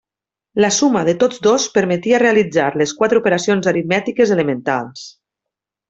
La suma de tots dos permetia realitzar les quatre operacions aritmètiques elementals.